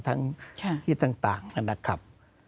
ทั้งที่ต่างนะครับ